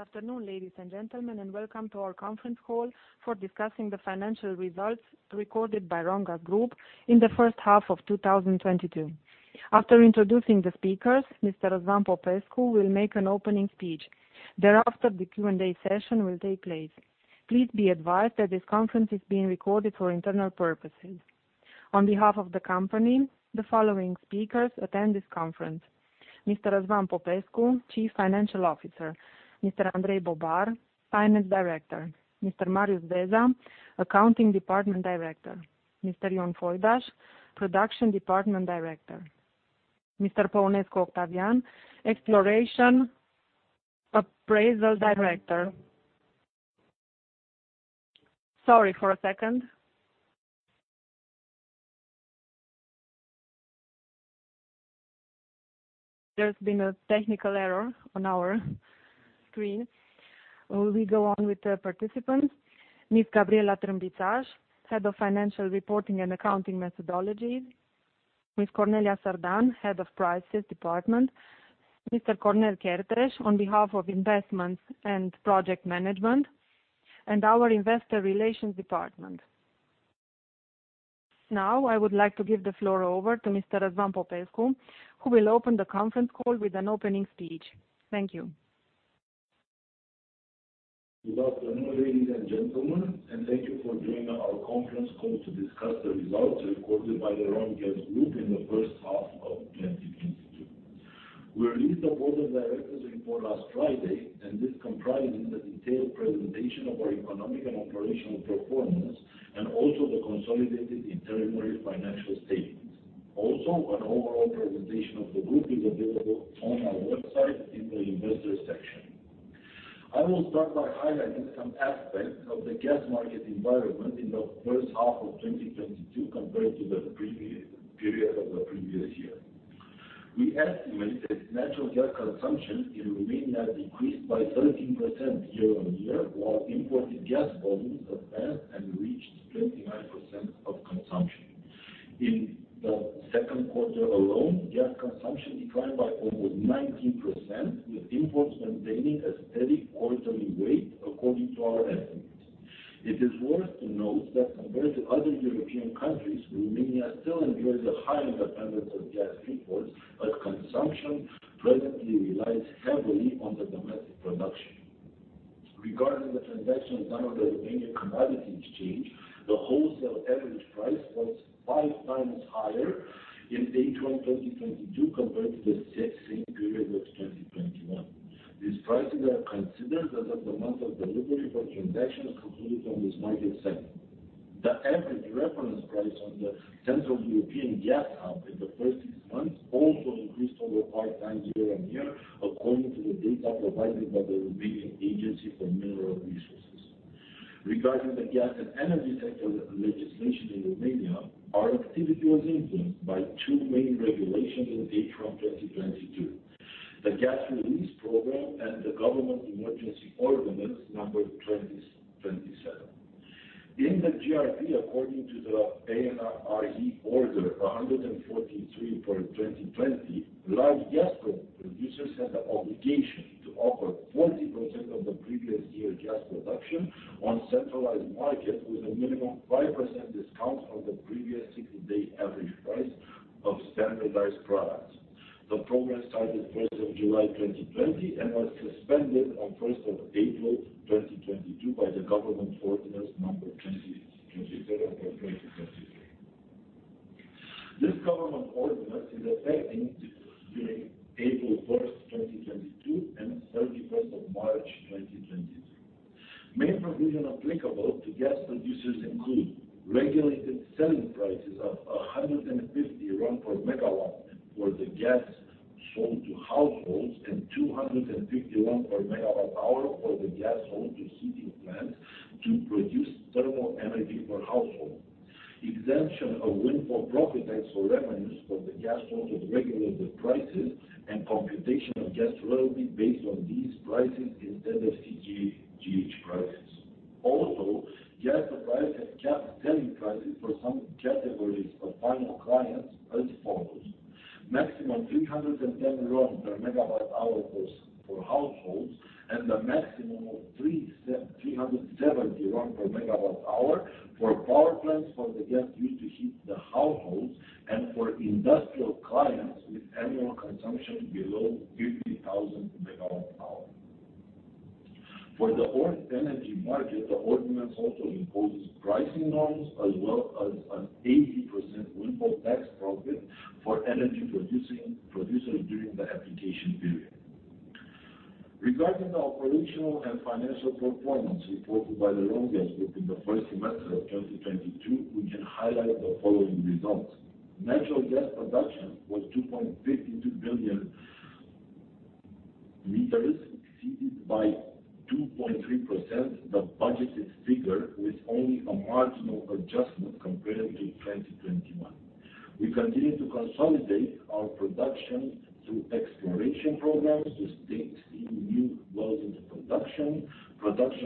Good afternoon, ladies and gentlemen, and welcome to our conference call for discussing the financial results recorded by Romgaz Group in the first half of 2022. After introducing the speakers, Mr. Răzvan Popescu will make an opening speech. Thereafter, the Q&A session will take place. Please be advised that this conference is being recorded for internal purposes. On behalf of the company, the following speakers attend this conference: Mr. Răzvan Popescu, Chief Financial Officer, Mr. Andrei Bobar, Finance Director, Mr. Marius Veza, Accounting Department Director, Mr. Ion Foidaș, Production Department Director, Mr. Octavian Păunescu, Exploration Appraisal Director. Sorry for a second. There's been a technical error on our screen. We go on with the participants. Ms. Gabriela Trânbițaș, Head of Financial Reporting and Accounting Methodology, Ms. Cornelia Sârdan, Head of Prices Department, Mr. Cornel Chertreș, on behalf of Investments and Project Management, and our Investor Relations Department. Now, I would like to give the floor over to Mr. Răzvan Popescu, who will open the conference call with an opening speech. Thank you. Good afternoon, ladies and gentlemen, and thank you for joining our conference call to discuss the results recorded by the Romgaz Group in the first half of 2022. We released the Board of Directors report last Friday, and this comprises the detailed presentation of our economic and operational performance and also the consolidated intermediary financial statements. Also, an overall presentation of the group is available on our website in the investor section. I will start by highlighting some aspects of the gas market environment in the first half of 2022 compared to the previous period of the previous year. We estimate that natural gas consumption in Romania decreased by 13% year-on-year, while imported gas volumes advanced and reached 29% of consumption. In the second quarter alone, gas consumption declined by almost 19%, with imports maintaining a steady quarterly rate according to our estimates. It is worth noting that compared to other European countries, Romania still enjoys a high independence of gas imports, but consumption presently relies heavily on the domestic production. Regarding the transactions done on the Romanian Commodities Exchange, the wholesale average price was five times higher in April 2022 compared to the same period of 2021. These prices are considered as of the month of delivery for transactions concluded on this market segment. The average reference price on the Central European Gas Hub in the first six months also increased over 5x year-on-year, according to the data provided by the National Agency for Mineral Resources. Regarding the gas and energy sector legislation in Romania, our activity was influenced by two main regulations in April 2022, the Gas Release Program and the Government Emergency Ordinance 27/2022. In the GRP, according to the ANRE Order 143/2020, large gas producers had the obligation to offer 40% of the previous year gas production on centralized market with a minimum 5% discount on the previous 60-day average price of standardized products. The program started July 1, 2020 and was suspended on April 1, 2022 by the Government Emergency Ordinance 27/2022. This government ordinance is effective during April 1, 2022, and March 31, 2023. Main provision applicable to gas producers include regulated selling prices of RON 150 per MWh for the gas sold to households and RON 250 per MWh for the gas sold to heating plants to produce thermal energy per household. Exemption of windfall profit tax or revenues for the gas sold at regulated prices and computation of gas royalty based on these prices instead of CEGH prices. Also, gas suppliers have capped selling prices for some categories of final clients as follows: maximum 310 RON per MWh for households and a maximum of 370 RON per MWh for power plants, for the gas used to heat the households, and for industrial clients with annual consumption below 50,000 MWh. For the whole energy market, the ordinance also imposes pricing norms as well as an 80% windfall profit tax for energy producers during the application period. Regarding the operational and financial performance reported by the Romgaz Group in the first semester of 2022, we can highlight the following results. Natural gas production was 2.52 billion meters, exceeded by 2.3% the budgeted figure, with only a marginal adjustment compared to 2021. We continue to consolidate our production through exploration programs to stake new wells into production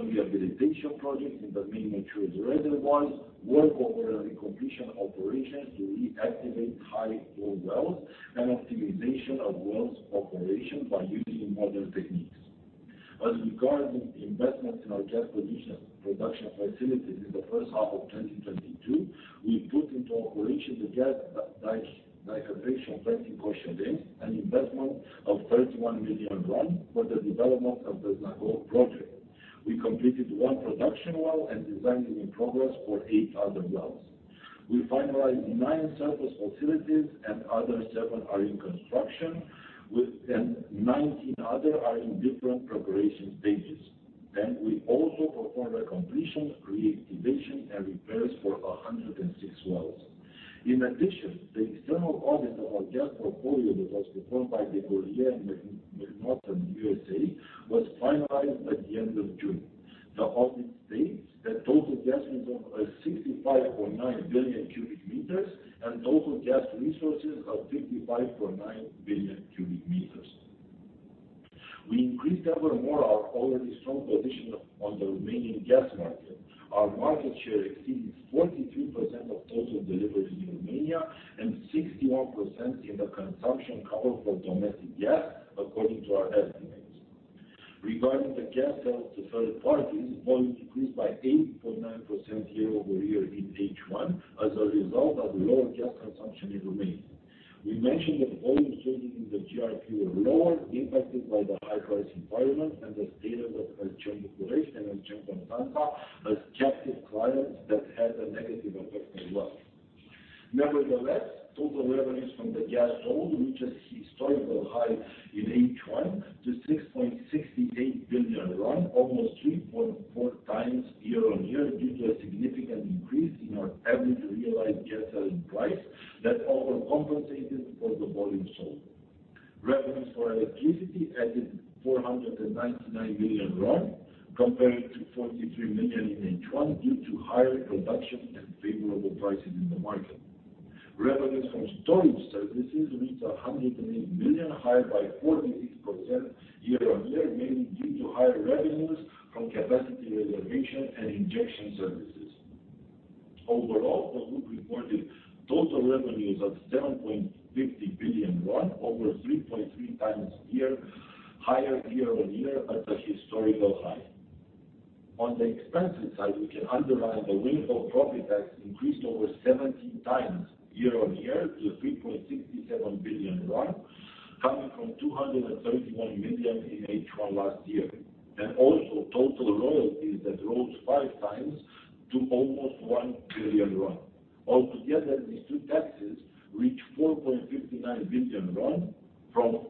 rehabilitation projects in the main mature reservoirs, workover and completion operations to reactivate high flow wells, and optimization of wells operation by using modern techniques. As regards investments in our gas production facilities in the first half of 2022, we put into operation the gas dehydration plant in Coșereni, an investment of 31 million RON for the development of the Zagra project. We completed one production well and designing in progress for eight other wells. We finalized nine surface facilities and seven others are in construction and 19 others are in different preparation stages. We also performed a completion, reactivation, and repairs for 106 wells. In addition, the external audit of our gas portfolio that was performed by DeGolyer and MacNaughton was finalized at the end of June. The audit states that total gas reserves are 65.9 billion cubic meters and total gas resources are 55.9 billion cubic meters. We increased even more our already strong position on the Romanian gas market. Our market share exceeds 43% of total deliveries in Romania and 61% in the consumption cover for domestic gas, according to our estimates. Regarding the gas sales to third parties, volume decreased by 8.9% year-over-year in H1 as a result of lower gas consumption in Romania. We mentioned that volume changes in the GRP were lower, impacted by the high price environment and the status of Engie România and Engie Constanța as captive clients that had a negative effect on growth. Nevertheless, total revenues from the gas sold reaches historical high in H1 to RON 6.68 billion, almost 3.4x year-on-year due to a significant increase in our average realized gas selling price that overcompensated for the volume sold. Revenues for electricity added RON 499 million compared to RON 43 million in H1 due to higher production and favorable prices in the market. Revenues from storage services reached RON 100 million, higher by 48% year-on-year, mainly due to higher revenues from capacity reservation and injection services. Overall, the group reported total revenues of RON 7.50 billion, over 3.3x higher year-on-year at a historical high. On the expenses side, we can underline the windfall profit tax increased over 70x year-on-year to RON 3.67 billion, coming from RON 231 million in H1 last year. Also total royalties that rose five times to almost RON 1 billion. Altogether, these two taxes reached RON 4.59 billion from RON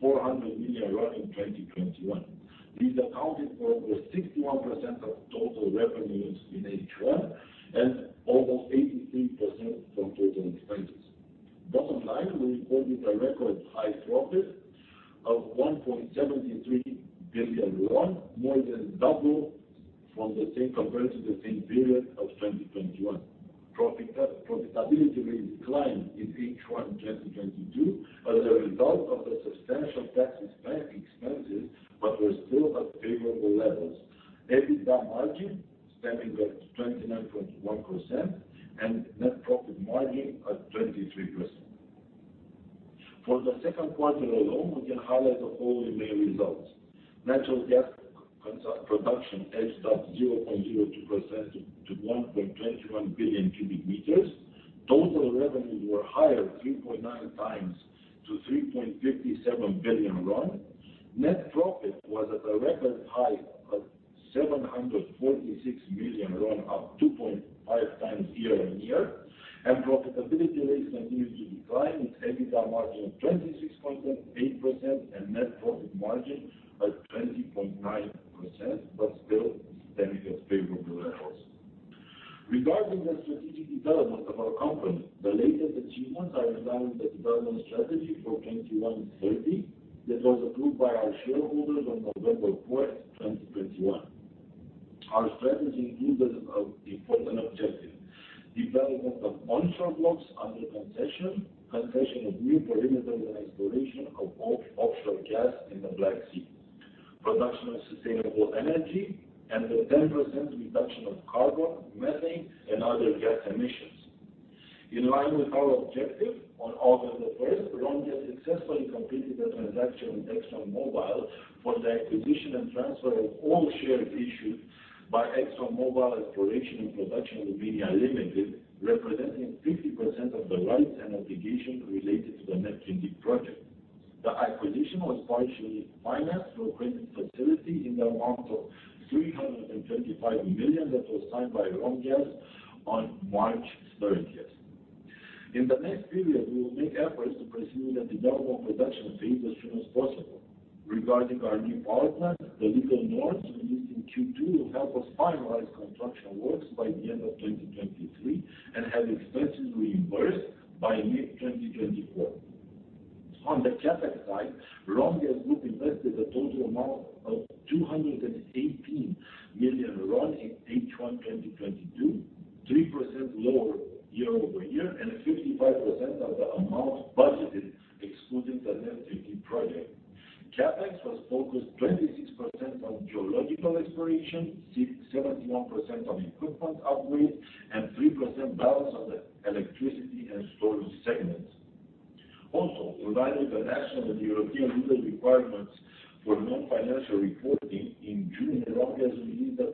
400 million in 2021. These accounted for over 61% of total revenues in H1 and almost 83% from total expenses. Bottom line, we reported a record high profit of RON 1.73 billion, more than double compared to the same period of 2021. Profitability rates declined in H1 2022 as a result of the substantial taxes and expenses, but were still at favorable levels. EBITDA margin standing at 29.1% and net profit margin at 23%. For the second quarter alone, we can highlight the following main results. Natural gas production edged up 0.02% to 1.21 billion cubic meters. Total revenues were higher 3.9x to 3.57 billion RON. Net profit was at a record high of 746 million RON, up 2.5x year-on-year. Profitability rates continued to decline with EBITDA margin of 26.8% and net profit margin at 20.9%, but still standing at favorable levels. Regarding the strategic development of our company, the latest achievements are aligned with the development strategy for 2021-2030 that was approved by our shareholders on November 4, 2021. Our strategy included important objective: development of onshore blocks under concession of new perimeters and exploration of offshore gas in the Black Sea, production of sustainable energy, and a 10% reduction of carbon, methane, and other gas emissions. In line with our objective, on August 1, Romgaz successfully completed the transaction with ExxonMobil for the acquisition and transfer of all shares issued by ExxonMobil Exploration and Production Romania Limited, representing 50% of the rights and obligations related to the Neptun Deep project. The acquisition was partially financed through a credit facility in the amount of $335 million that was signed by Romgaz on March 13. In the next period, we will make efforts to pursue the development production phase as soon as possible. Regarding our new power plant, the legal norms released in Q2 will help us finalize construction works by the end of 2023 and have expenses reimbursed by mid-2024. On the CapEx side, Romgaz Group invested a total amount of RON 218 million in H1 2022, 3% lower year-over-year and 55% of the amount budgeted excluding the Neptun Deep project. CapEx was focused 26% on geological exploration, 67% on equipment upgrade, and 3% balance on the electricity and storage segments. Also providing the national and European legal requirements for non-financial reporting in June as well as releasing the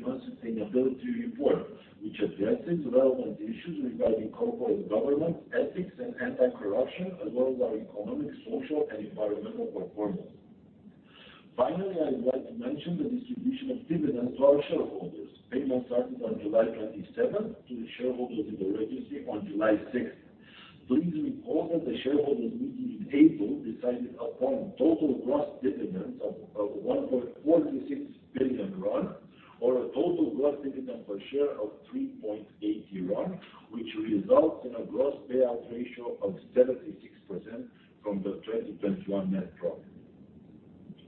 2021 sustainability report, which addresses relevant issues regarding corporate governance, ethics and anti-corruption, as well as our economic, social and environmental performance. Finally, I would like to mention the distribution of dividends to our shareholders. Payment started on July 27 to the shareholders in the registry on July 6. Please recall that the shareholders meeting in April decided upon total gross dividends of 1.46 billion RON, or a total gross dividend per share of 3.8 RON, which results in a gross payout ratio of 76% from the 2021 net profit.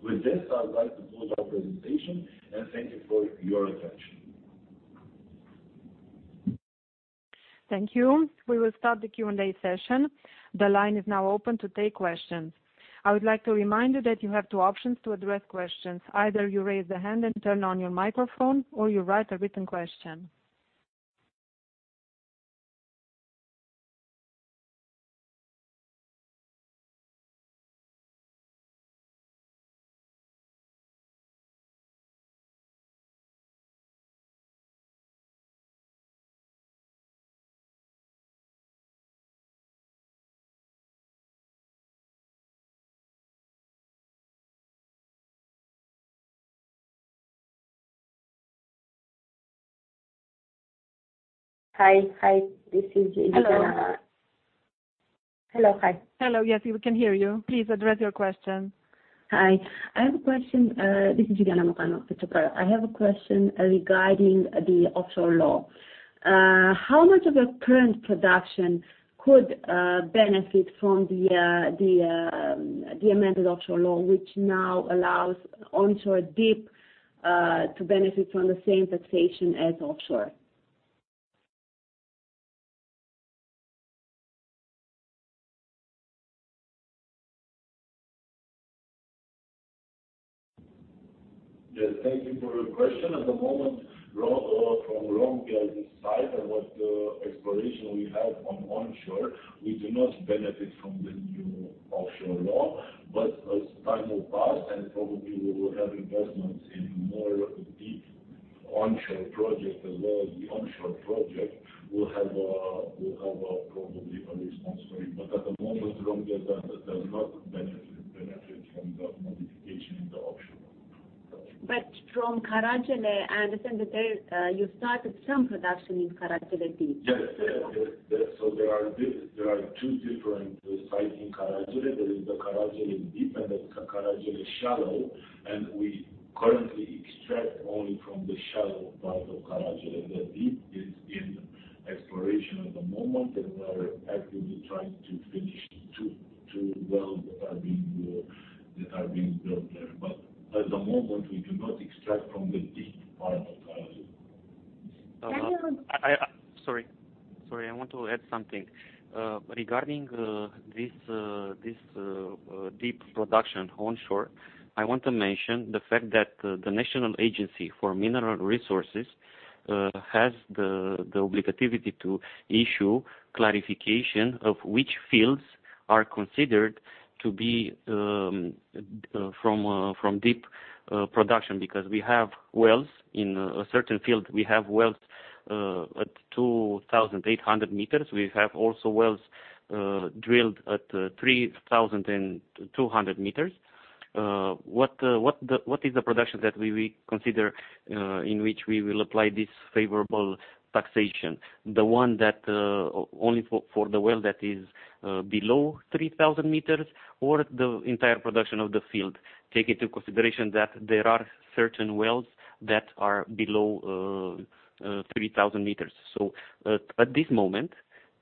With this, I would like to close our presentation and thank you for your attention. Thank you. We will start the Q&A session. The line is now open to take questions. I would like to remind you that you have two options to address questions. Either you raise the hand and turn on your microphone, or you write a written question. Hi. Hi, this is Iuliana. Hello. Hello. Hi. Hello. Yes, we can hear you. Please address your question. Hi. I have a question. This is Iuliana Ciopraga with Wood & Co. I have a question regarding the offshore law. How much of your current production could benefit from the amended offshore law, which now allows onshore deep to benefit from the same taxation as offshore? Yes. Thank you for your question. At the moment, from Romgaz's side and what exploration we have on onshore, we do not benefit from the new Offshore Law. As time will pass and probably we will have investments in more deep onshore projects as well as the onshore project, we'll have a probably a response for it. At the moment, Romgaz does not benefit from that modification in the Offshore Law. From Caragele, I understand that there, you started some production in Caragele Deep. Yes. Yeah. There are two different sites in Caragele. There is the Caragele Deep and the Caragele shallow, and we currently extract only from the shallow part of Caragele. The deep is in exploration at the moment, and we are actively trying to finish two wells that are being built there. At the moment we do not extract from the deep part of Caragele. Can you- Sorry. I want to add something. Regarding this deep production onshore, I want to mention the fact that the National Agency for Mineral Resources has the authority to issue clarification of which fields are considered to be from deep production. Because we have wells in a certain field, we have wells at 2,800 m. We have also wells drilled at 3,200 m. What is the production that we will consider in which we will apply this favorable taxation? The one that only for the well that is below 3,000 m or the entire production of the field. Take into consideration that there are certain wells that are below 3,000 m. At this moment,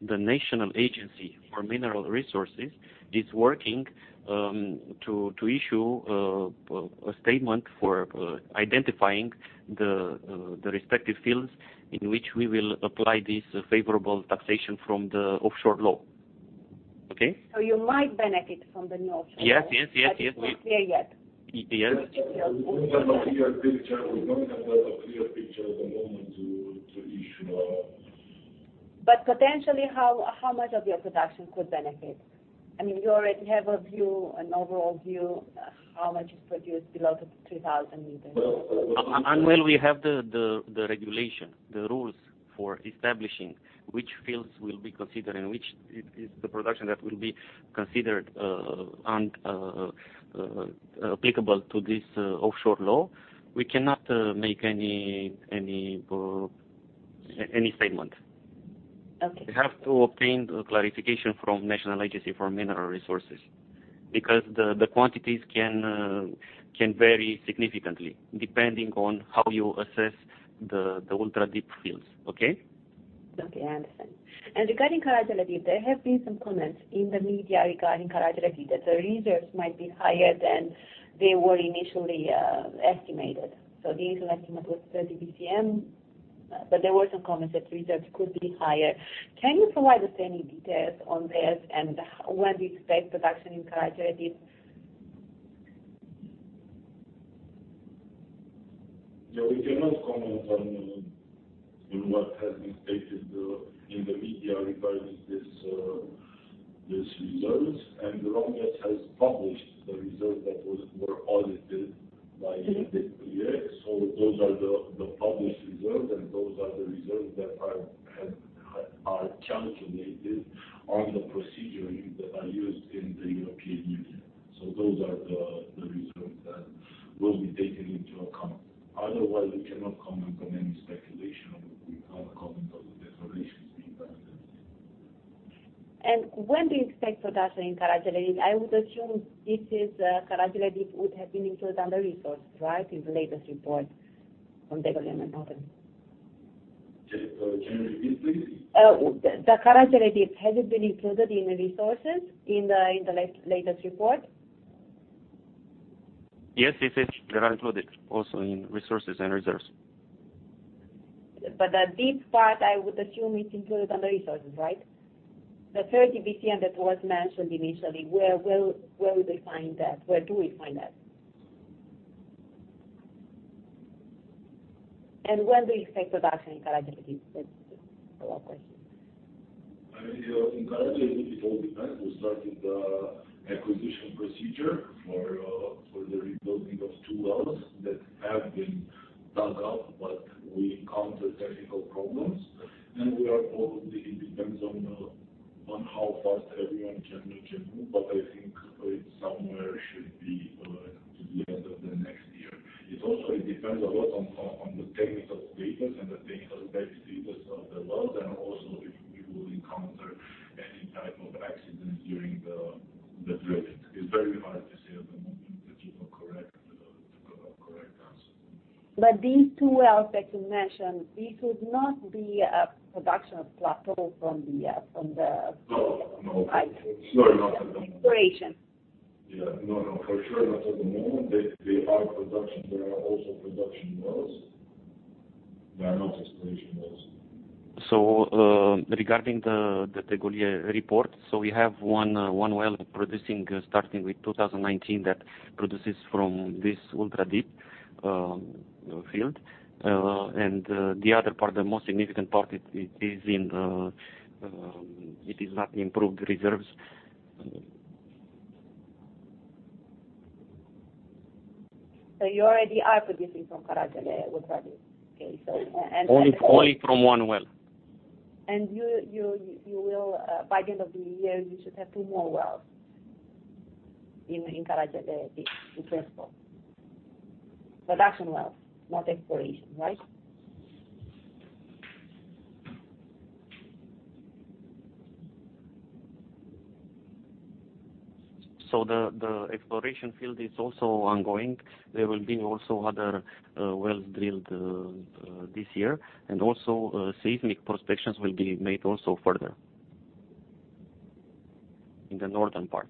the National Agency for Mineral Resources is working to issue a statement for identifying the respective fields in which we will apply this favorable taxation from the Offshore Law. Okay? You might benefit from the new Offshore Law. Yes. It's not clear yet. Yes. We don't have a clear picture at the moment to issue a. Potentially, how much of your production could benefit? I mean, you already have a view, an overall view, how much is produced below the 3,000 m. Well- Until we have the regulation, the rules for establishing which fields will be considered and which is the production that will be considered, and applicable to this Offshore Law, we cannot make any statement. Okay. We have to obtain clarification from National Agency for Mineral Resources because the quantities can vary significantly depending on how you assess the ultra-deep fields. Okay? Okay, I understand. Regarding Caragele Deep, there have been some comments in the media regarding Caragele Deep that the reserves might be higher than they were initially estimated. The initial estimate was 30 BCM, but there were some comments that reserves could be higher. Can you provide us any details on this and when do you expect production in Caragele Deep? Yeah, we cannot comment on what has been stated in the media regarding these reserves. Romgaz has published the reserves that were audited by Mm-hmm. Yeah. Those are the published reserves, and those are the reserves that are calculated on the procedure that are used in the European Union. Those are the reserves that will be taken into account. Otherwise, we cannot comment on any speculation. We can't comment on the declarations being made. When do you expect production in Caragele? I would assume this is, Caragele Deep would have been included under resources, right, in the latest report on Târgu Lăpuș and Nord. Can you repeat, please? The Caragele Deep, has it been included in the resources in the latest report? Yes, it is. They are included also in resources and reserves. The deep part I would assume is included on the resources, right? The 30 BCM that was mentioned initially, where will we find that? Where do we find that? When do you expect production in Caragele Deep? That's a lot of questions. I mean, in Caragele Deep, it all depends. We started the acquisition procedure for the rebuilding of two wells that have been dug up, but we encountered technical problems. It depends on how fast everyone can move. But I think it somewhere should be the end of the next year. It also, it depends a lot on the technical papers and the technical specifications of the wells, and also if we will encounter any type of accidents during the drilling. It's very hard to say at the moment to give a correct answer. These two wells that you mentioned, this would not be a production of plateau from the. No, no. Right. Sure, not at the moment. Exploration. Yeah. No, no. For sure, not at the moment. They are production. They are also production wells. They are not exploration wells. Regarding the DeGolyer report, we have one well producing, starting with 2019, that produces from this ultra-deep field. The other part, the most significant part, it is not proved reserves. You already are producing from Caragele with Radu. Okay. Only from one well. You will by the end of the year you should have two more wells in Caragele Deep, in principle. Production wells, not exploration, right? The exploration field is also ongoing. There will be also other wells drilled this year. Also, seismic prospections will be made also further in the northern part.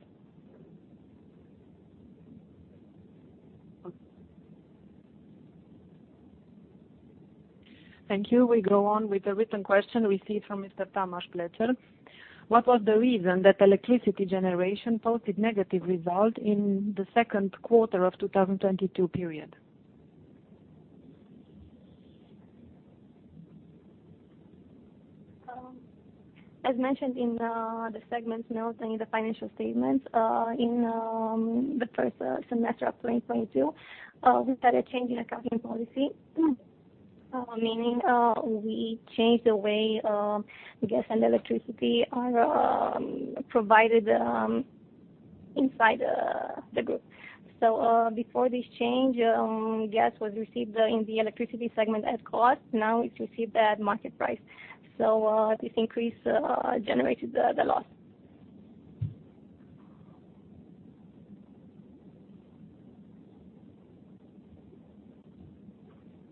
Okay. Thank you. We go on with a written question received from Mr. Tamas Pletser. What was the reason that electricity generation posted negative result in the second quarter of 2022 period? As mentioned in the segment notes and in the financial statements, in the first semester of 2022, we started changing accounting policy, meaning we changed the way gas and electricity are provided inside the group. Before this change, gas was received in the electricity segment at cost. Now, it's received at market price. This increase generated the loss.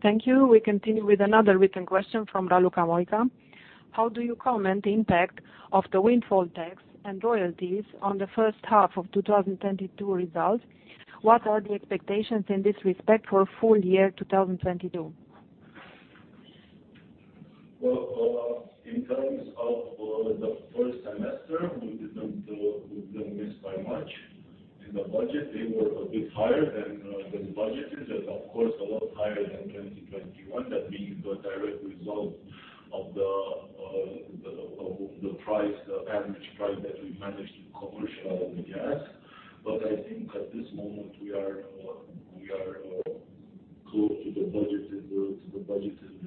Thank you. We continue with another written question from Raluca Moica. How do you comment on the impact of the windfall tax and royalties on the first half of 2022 results? What are the expectations in this respect for full year 2022? Well, in terms of the first semester, we didn't miss by much. In the budget, they were a bit higher than budgeted, and of course, a lot higher than 2021. That being the direct result of the price, the average price that we managed to commercialize the gas. I think at this moment we are close to the budgeted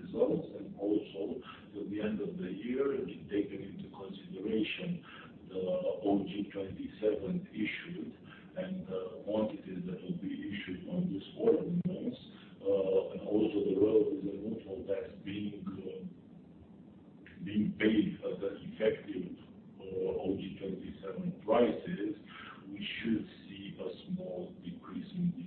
results. Also till the end of the year and taking into consideration the OG 27 issued and the quantities that will be issued on this quarter months, and also the royalties and windfall tax being paid at the effective OG 27 prices, we should see a small decrease in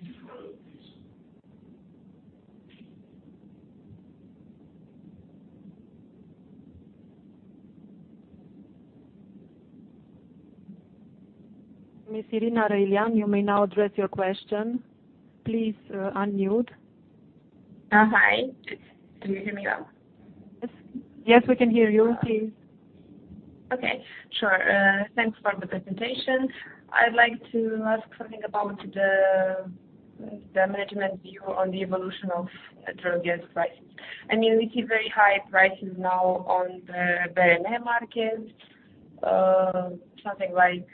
these royalties. Miss Irina Răilean, you may now address your question. Please, unmute. Hi. Can you hear me well? Yes, we can hear you. Please. Okay, sure. Thanks for the presentation. I'd like to ask something about the management view on the evolution of natural gas prices. I mean, we see very high prices now on the BRM market, something like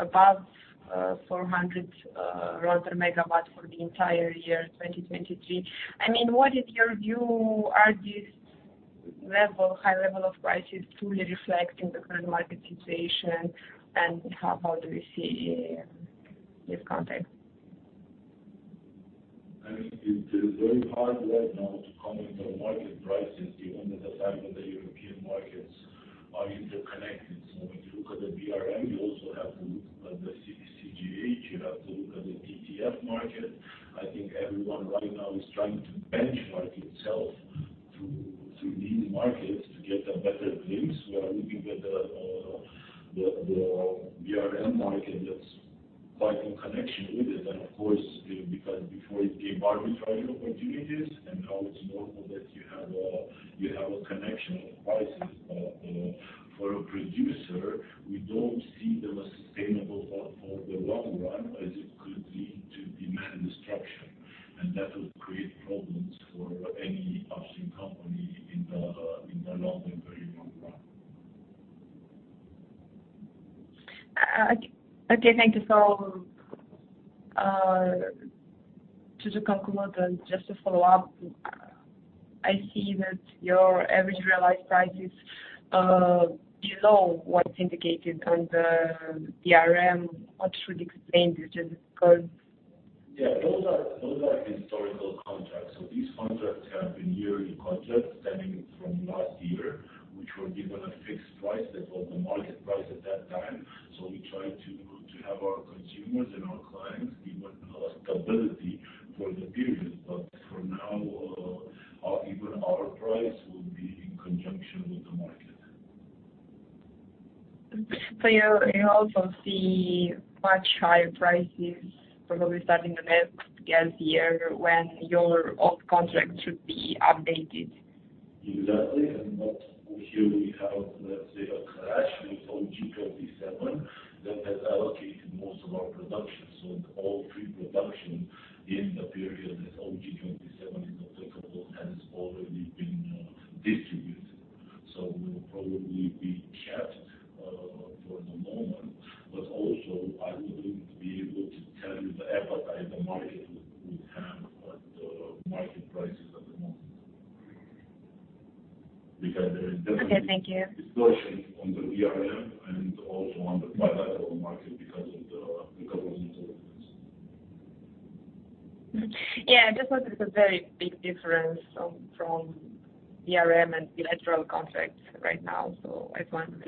above 400 per MW for the entire year 2023. I mean, what is your view? Are these level, high level of prices truly reflecting the current market situation? How do you see this context? I mean, it is very hard right now to comment on market prices given the fact that the European markets are interconnected. When you look at the BRM, you also have to look at the CEGH, you have to look at the TTF market. I think everyone right now is trying to benchmark itself through these markets to get a better glimpse. We are looking at the BRM market that's quite in connection with it. Of course, you know, because before it gave arbitraging opportunities, and now it's normal that you have a connection of prices. For a producer, we don't see them as sustainable for the long run, as it could lead to demand destruction. That will create problems for any upstream company in the long and very long run. Okay, thank you. To conclude and just to follow up, I see that your average realized price is below what's indicated on the BRM. What should explain this? Just because. Yeah. Those are historical contracts. These contracts have been yearly contracts stemming from last year, which were given a fixed price. That was the market price at that time. We try to have our consumers and our clients given stability for the period. For now, even our price will be in conjunction with the market. You also see much higher prices probably starting the next gas year when your off-contract should be updated. Exactly. Here we have, let's say, a clash with GEO 27/2022 that has allocated most of our production. All pre-production in the period that GEO 27/2022 is applicable has already been distributed. We will probably be capped for the moment. I wouldn't be able to tell you the appetite the market would have at the market prices at the moment. Because there is definitely. Okay. Thank you. Distortion on the BRM and also on the bilateral market because of these agreements. Yeah. It's a very big difference from BRM and bilateral contracts right now. I just wanted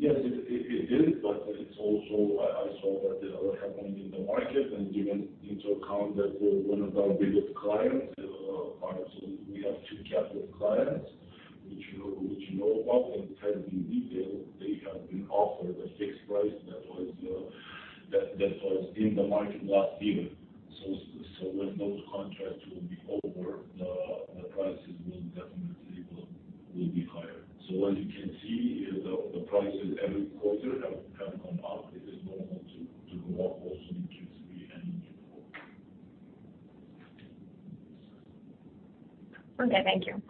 to- Yes, it is. It's also, I saw that they are happening in the market. Taking into account that we have two captive clients, which you know about in terms of detail. They have been offered a fixed price that was in the market last year. When those contracts will be over, the prices will definitely be higher. What you can see is the prices every quarter have gone up. It is normal to go up also in Q3 and in Q4. Okay, thank you.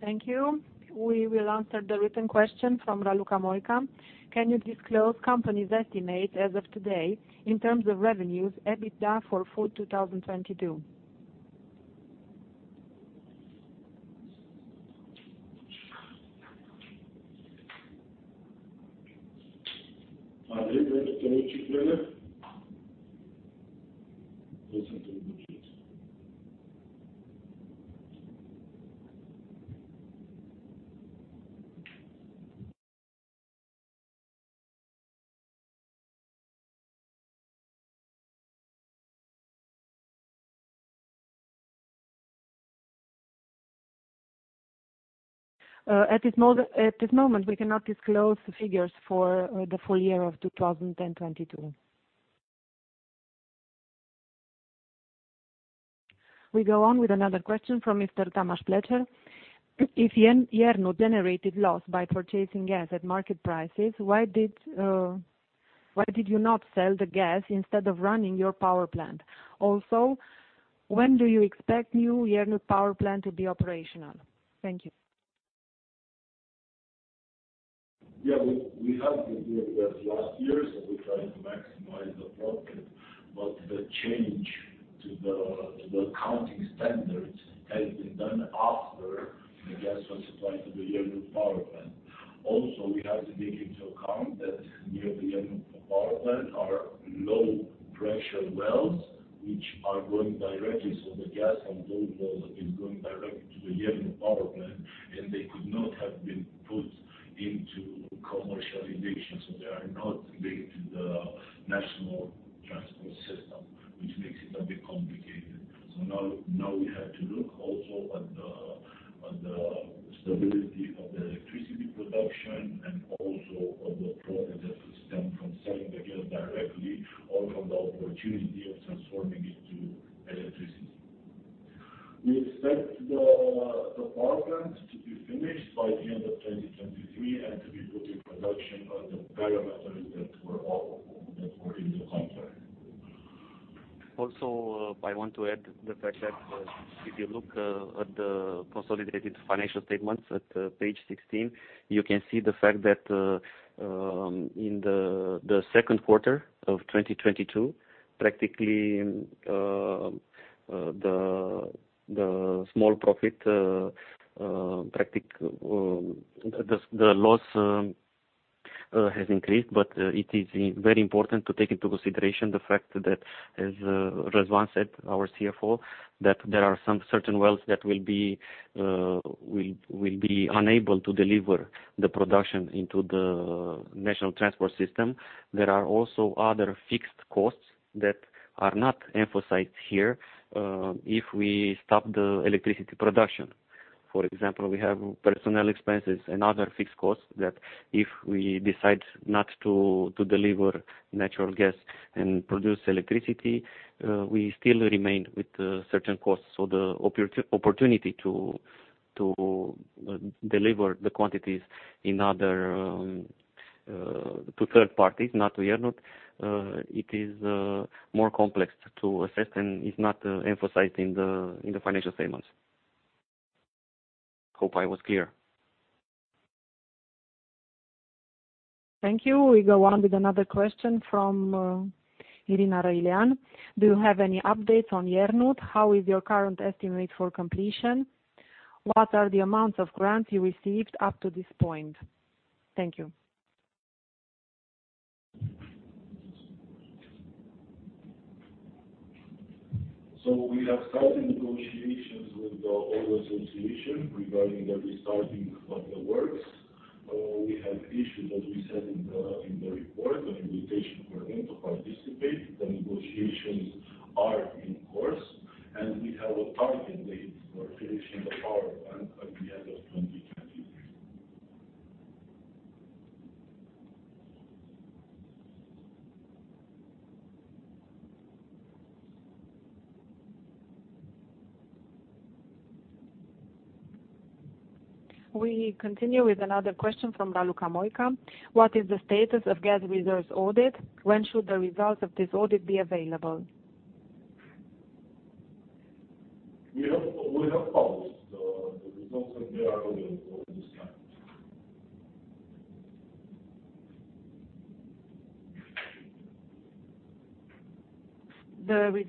Thank you. We will answer the written question from Raluca Moica. Can you disclose company's estimate as of today in terms of revenues, EBITDA for full 2022? At this moment, we cannot disclose the figures for the full year of 2022. We go on with another question from Mr. Tamas Flecher. If Iernut generated loss by purchasing gas at market prices, why did you not sell the gas instead of running your power plant? Also, when do you expect new Iernut power plant to be operational? Thank you. Yeah. We had the gas year last year, so we tried to maximize the profit. The change to the accounting standards has been done after the gas was supplied to the Iernut power plant. Also, we have to take into account that near the Iernut power plant are low-pressure wells, which are going directly. The gas from those wells is going directly to the Iernut power plant, and they could not have been put into commercialization. They are not linked to the national transport system, which makes it a bit complicated. Now we have to look also at the stability of the electricity production and also of the profit that will stem from selling the gas directly or from the opportunity of transforming it to electricity. We expect the power plant to be finished by the end of 2023 and to be put in production on the parameters that were in the contract. I want to add the fact that if you look at the consolidated financial statements at page 16, you can see the fact that in the second quarter of 2022, practically the loss has increased. It is very important to take into consideration the fact that as Răzvan said, our CFO, there are some certain wells that will be unable to deliver the production into the national transport system. There are also other fixed costs that are not emphasized here if we stop the electricity production. For example, we have personnel expenses and other fixed costs that if we decide not to deliver natural gas and produce electricity, we still remain with certain costs. The opportunity to deliver the quantities in other to third parties, not to Iernut, it is more complex to assess and is not emphasized in the financial statements. Hope I was clear. Thank you. We go on with another question from Irina Răilean: Do you have any updates on Iernut? How is your current estimate for completion? What are the amounts of grants you received up to this point? Thank you. We have started negotiations with the oil association regarding the restarting of the works. We have issued, as we said in the report, an invitation for them to participate. The negotiations are in course, and we have a target date for finishing the power plant at the end of 2023. We continue with another question from Raluca Moica. What is the status of gas reserves audit? When should the results of this audit be available?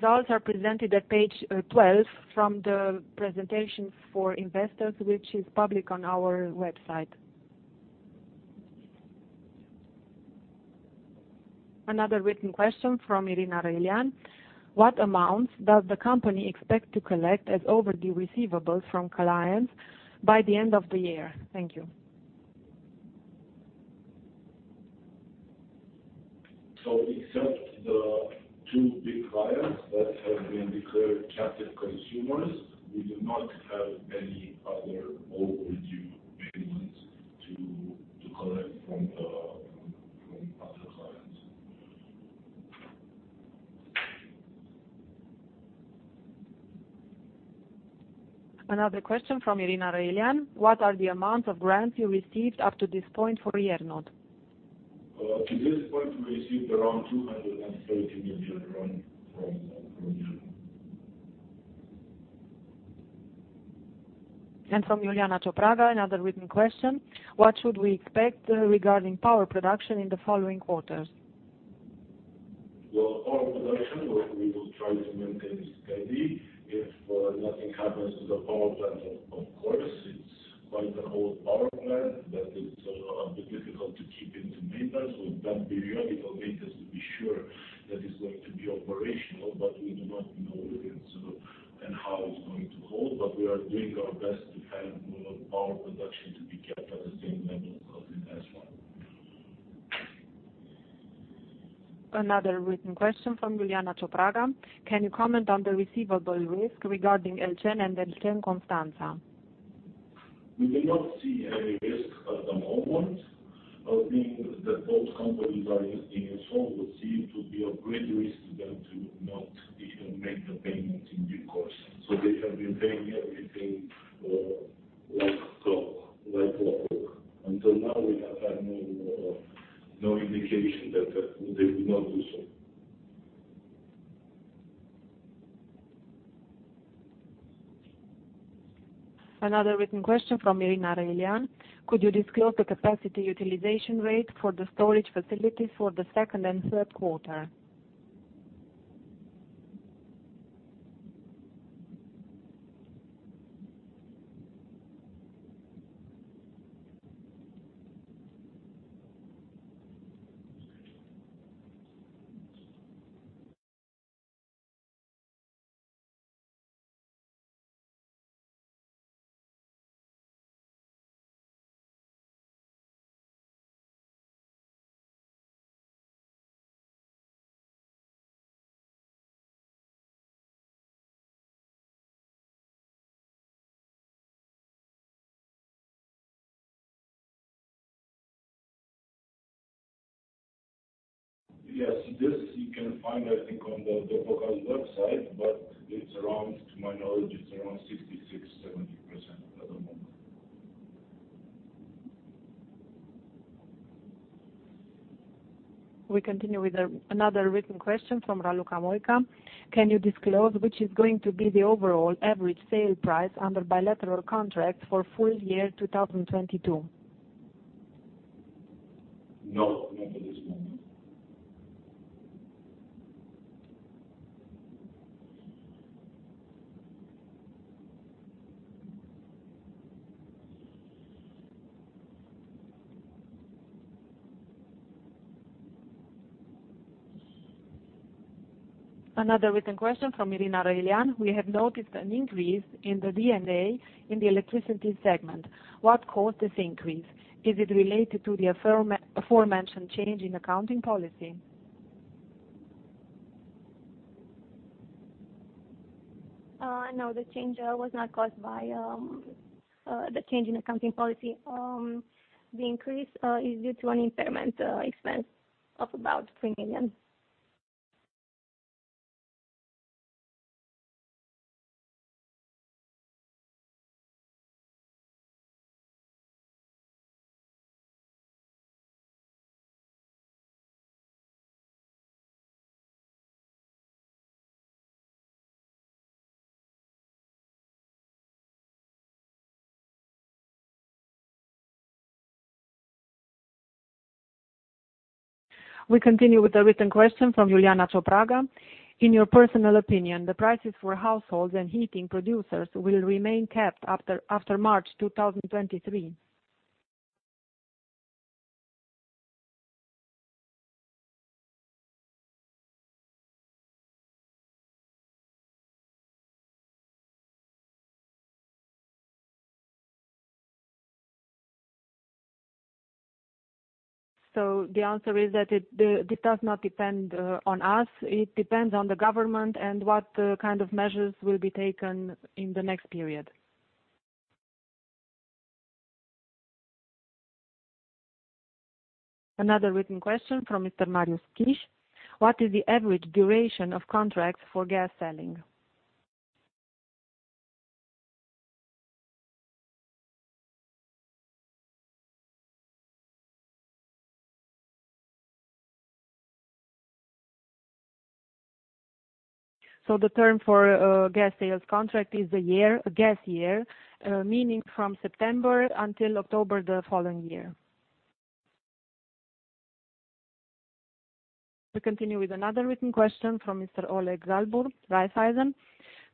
We have published the results and they are available online. The results are presented at page 12 from the presentations for investors, which is public on our website. Another written question from Irina Răilean: What amounts does the company expect to collect as overdue receivables from clients by the end of the year? Thank you. Except the two big clients that have been declared captive consumers, we do not have any other overdue payments to collect from other clients. Another question from Irina Răilean: What are the amounts of grants you received up to this point for Iernut? To this point, we received around RON 230 million from EU. From Iuliana Ciopraga, another written question: What should we expect, regarding power production in the following quarters? The power production, well, we will try to maintain steady if nothing happens to the power plant. Of course, it's quite an old power plant that is a bit difficult to keep in maintenance. We've done periodical maintenance to be sure that it's going to be operational, but we do not know if it's and how it's going to hold. We are doing our best to have power production to be kept at the same level as in H1. Another written question from Iuliana Ciopraga: Can you comment on the receivable risk regarding ELCEN and Electrocentrale Constanța S.A.? We do not see any risk at the moment, being that both companies are in solid state. It would be a great risk to them to not, you know, make the payments in due course. They have been paying everything, like clockwork. Until now, we have had no indication that they would not do so. Another written question from Irina Răilean: Could you disclose the capacity utilization rate for the storage facilities for the second and third quarter? Yes, this you can find, I think, on the local website, but it's around, to my knowledge, it's around 66%-70% at the moment. We continue with another written question from Raluca Moica. Can you disclose which is going to be the overall average sale price under bilateral contract for full year 2022? No, not at this moment. Another written question from Irina Răilean. We have noticed an increase in the D&A in the electricity segment. What caused this increase? Is it related to the aforementioned change in accounting policy? No, the change was not caused by the change in accounting policy. The increase is due to an impairment expense of about RON 3 million. We continue with a written question from Iuliana Ciopraga. In your personal opinion, the prices for households and heating producers will remain capped after March 2023. The answer is that this does not depend on us. It depends on the government and what kind of measures will be taken in the next period. Another written question from Mr. Marius Chiș. What is the average duration of contracts for gas selling? The term for gas sales contract is a year, a gas year, meaning from September until October the following year. We continue with another written question from Mr. Oleg Galbur, Raiffeisen.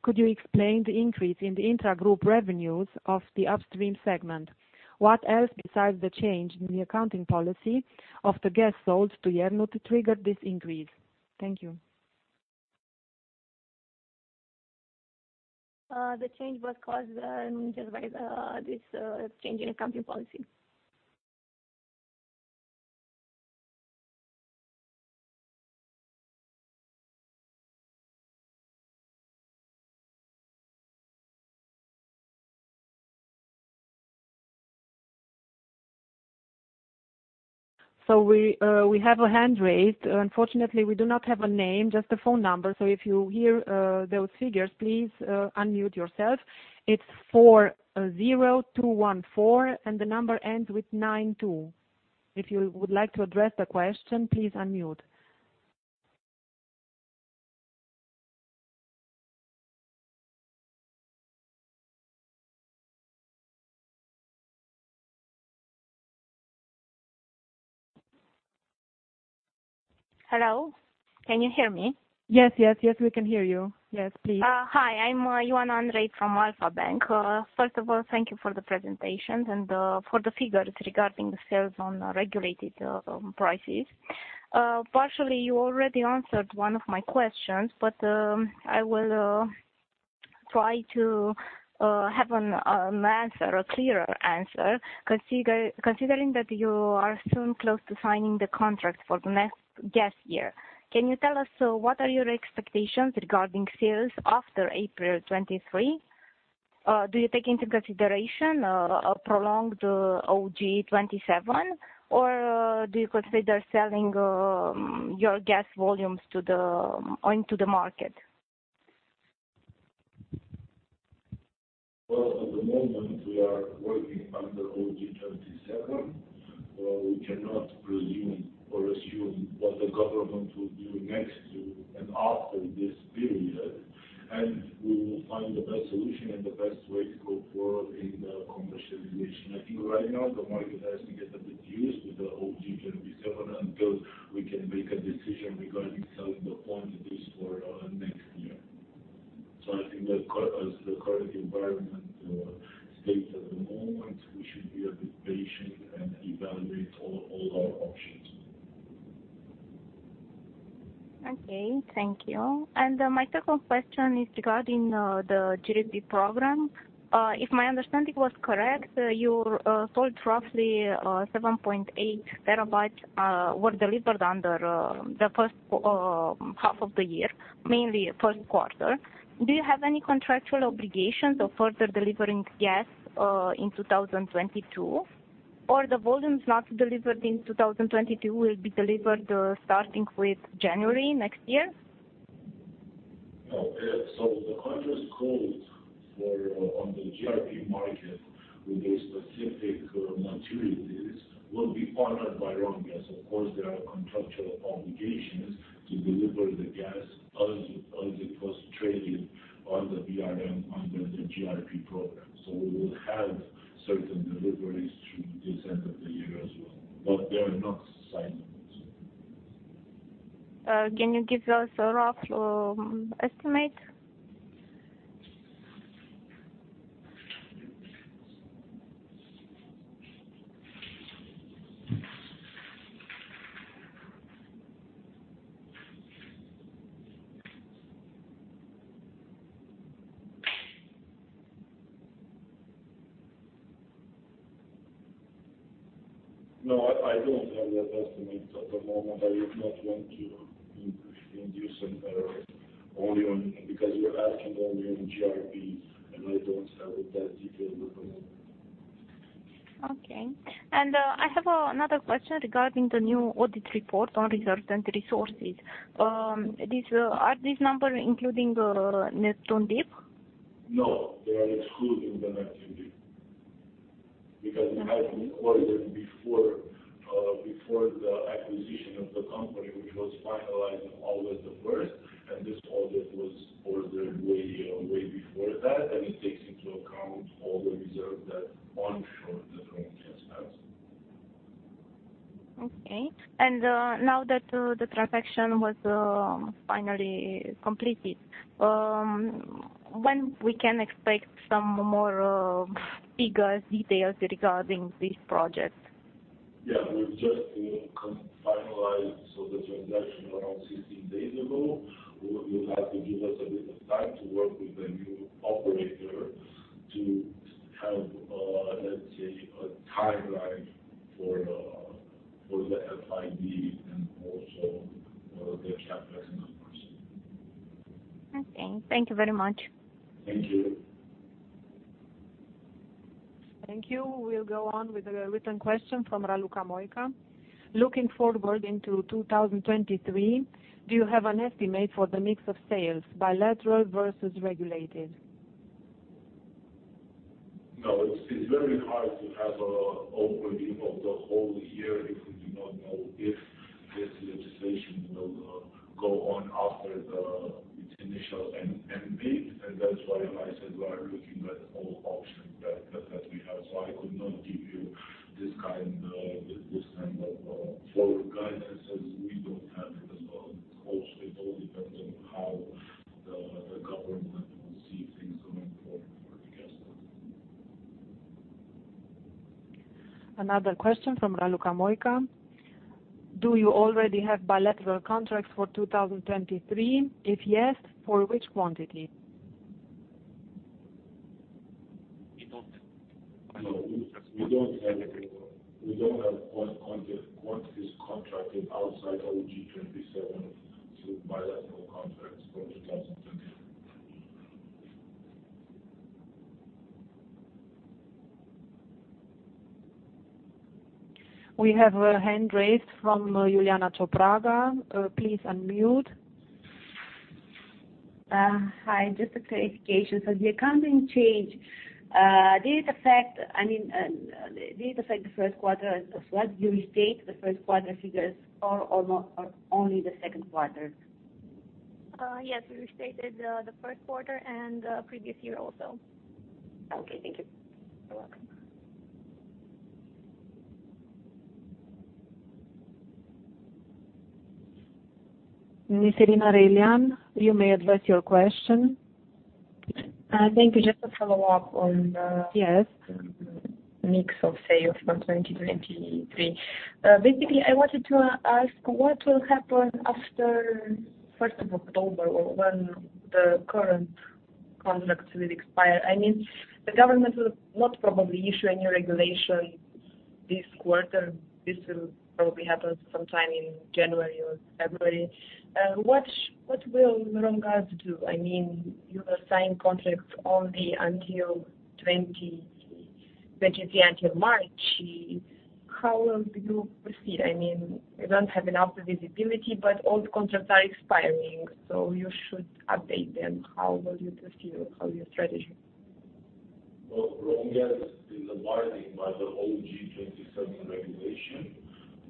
Could you explain the increase in the intra-group revenues of the upstream segment? What else besides the change in the accounting policy of the gas sold to Iernut triggered this increase? Thank you. The change was caused just by this change in accounting policy. We have a hand raised. Unfortunately, we do not have a name, just a phone number. If you hear those figures, please unmute yourself. It's 40214 and the number ends with 92. If you would like to address the question, please unmute. Hello. Can you hear me? Yes, yes, we can hear you. Yes, please. Hi, I'm Ioana Andrei from Alpha Bank. First of all, thank you for the presentation and for the figures regarding the sales on regulated prices. Partially you already answered one of my questions, but I will try to have a clearer answer. Considering that you are soon close to signing the contract for the next gas year, can you tell us what are your expectations regarding sales after April 2023? Do you take into consideration a prolonged OG-27, or do you consider selling your gas volumes onto the market? At the moment we are working under OG-27. We cannot presume or assume what the government will do next to and after this period, and we will find the best solution and the best way to go forward in the commercialization. I think right now the market has to get a bit used to the OG-27 until we can make a decision regarding selling the quantities for next year. I think that as the current environment states at the moment, we should be a bit patient and evaluate all our options. Okay, thank you. My second question is regarding the GRP program. If my understanding was correct, you sold roughly 7.8 BCM were delivered under the first half of the year, mainly first quarter. Do you have any contractual obligations of further delivering gas in 2022? Or the volumes not delivered in 2022 will be delivered starting with January next year? No. The country's calls for on the GRP market with those specific maturities will be honored by Romgaz. Of course, there are contractual obligations to deliver the gas as it was traded on the BRM under the GRP program. We will have certain deliveries through the end of the year as well. They are not signed. Can you give us a rough estimate? No, I don't have that estimate at the moment. I would not want to induce an error only on because you're asking only on GRP, and I don't have it that detailed at the moment. Okay. I have another question regarding the new audit report on reserves and resources. Are these numbers including Neptun Deep? No, they are excluding the Neptun Deep. Because it had been ordered before the acquisition of the company, which was finalized August 1, and this audit was ordered way before that, and it takes into account all the reserves onshore that Romgaz has. Okay. Now that the transaction was finally completed, when we can expect some more figures, details regarding this project? Yeah. We've just, you know, finalized the transaction around 16 days ago. Well, you'll have to give us a bit of time to work with the new operator to have, let's say, a timeline for the FID and also their numbers. Okay, thank you very much. Thank you. Thank you. We'll go on with a written question from Raluca Moica. Looking forward into 2023, do you have an estimate for the mix of sales, bilateral versus regulated? No. It's very hard to have a overview of the whole year if we do not know if this legislation will go on after its initial end date. That's why I said we are looking at all options that we have. I could not give you this kind of forward guidance, as we don't have it as well. Also, it all depends on how the government will see things going forward for the gas law. Another question from Raluca Moica. Do you already have bilateral contracts for 2023? If yes, for which quantity? We don't. No, we don't have it. We don't have quantities contracted outside GEO 27/2022 through bilateral contracts for 2023. We have a hand raised from Iuliana Ciopraga. Please unmute. Hi. Just a clarification. The accounting change, did it affect, I mean, did it affect the first quarter as well? Do you restate the first quarter figures or not, or only the second quarter? Yes, we restated the first quarter and the previous year also. Okay, thank you. You're welcome. Miss Irina Răilean, you may address your question. Thank you. Just a follow-up on, Yes... mix of sales from 2023. Basically, I wanted to ask what will happen after first of October or when the current contracts will expire. I mean, the government will not probably issue any regulation this quarter. This will probably happen sometime in January or February. What will Romgaz do? I mean, you assign contracts only until 2023, until March. How will you proceed? I mean, you don't have enough visibility, but old contracts are expiring, so you should update them. How will you proceed? How your strategy? Well, Romgaz is abiding by the GEO 27/2022 regulation.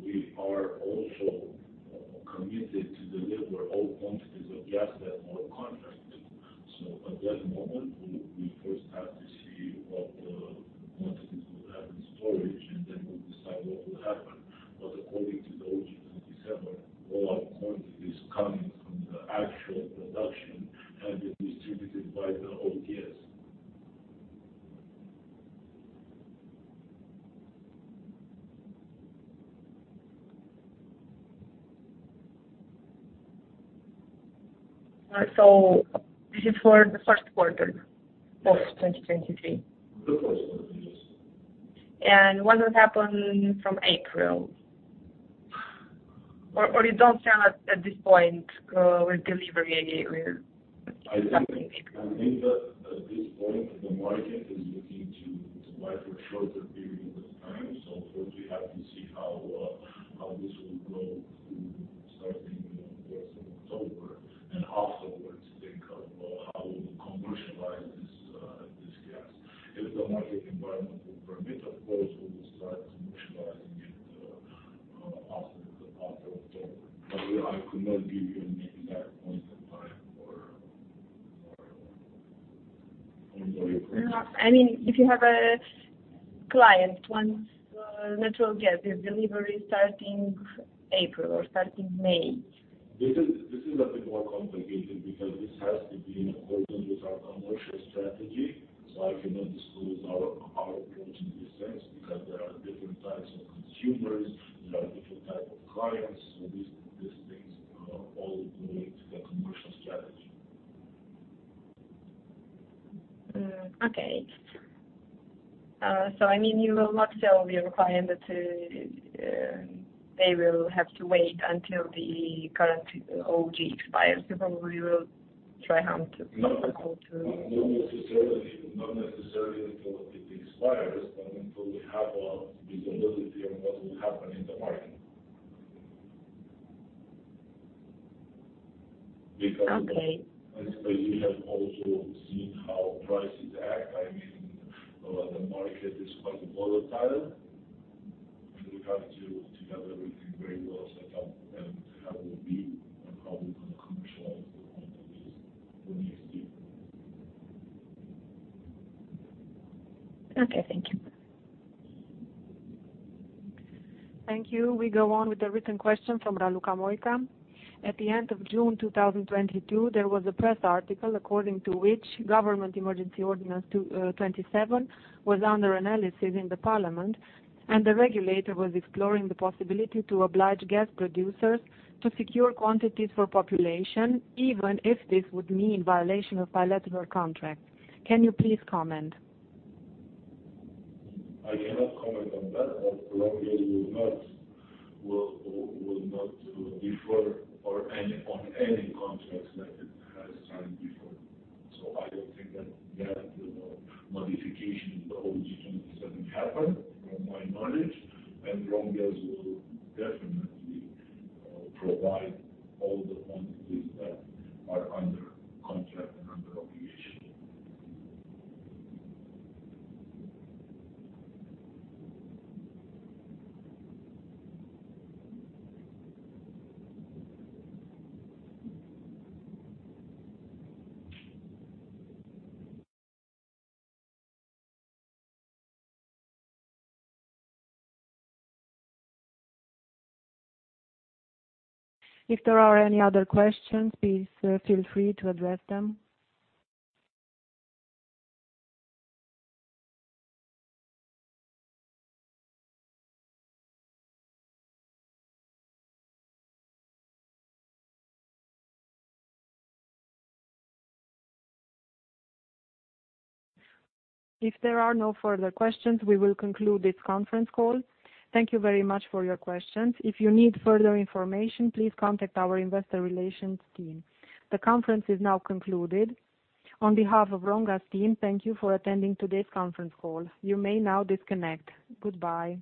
We are also committed to deliver all quantities of gas that were contracted. At that moment, we first have to see what the quantities we'll have in storage, and then we'll decide what will happen. According to the GEO 27/2022, all our quantities coming from the actual production have been distributed by the OTS. This is for the first quarter of 2023? The first quarter, yes. When will it happen from April? Or you don't sell at this point with delivery. I think that at this point the market is looking to buy for shorter periods of time. First we have to see how this will go through starting, you know, first of October, and afterwards think of how we will commercialize this gas. If the market environment will permit, of course, we will start commercializing it after October. I could not give you an exact point in time for any of your questions. No, I mean, if you have a client wants, natural gas with delivery starting April or starting May. This is a bit more complicated because this has to be in accordance with our commercial strategy. I cannot disclose our approach in this sense because there are different types of consumers, there are different type of clients. These things all relate to the commercial strategy. I mean, you will not tell your client that they will have to wait until the current OG expires. You probably will try how to No. -to call to- Not necessarily until it expires, but until we have visibility on what will happen in the market. Because Okay. As you have also seen how prices act, I mean, the market is quite volatile, and we have to have everything very well set up and how it will be and how we're going to commercialize the quantities when we receive. Okay, thank you. Thank you. We go on with the written question from Raluca Moica. At the end of June 2022, there was a press article according to which Government Emergency Ordinance 27 was under analysis in the parliament, and the regulator was exploring the possibility to oblige gas producers to secure quantities for population, even if this would mean violation of bilateral contracts. Can you please comment? I cannot comment on that, but Romgaz will not default on any contract that it has signed before. I don't think that modification in the GEO 27/2022 happened, from my knowledge. Romgaz will definitely provide all the quantities that are under contract and under obligation. If there are any other questions, please feel free to address them. If there are no further questions, we will conclude this conference call. Thank you very much for your questions. If you need further information, please contact our investor relations team. The conference is now concluded. On behalf of Romgaz team, thank you for attending today's conference call. You may now disconnect. Goodbye.